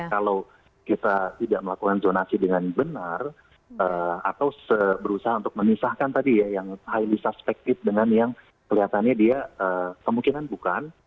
kalau kita tidak melakukan zonasi dengan benar atau berusaha untuk memisahkan tadi ya yang highly suspected dengan yang kelihatannya dia kemungkinan bukan